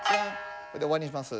で終わりにします。